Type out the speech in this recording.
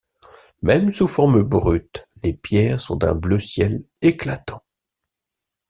Même sous forme brute, les pierres sont d’un bleu ciel éclatant.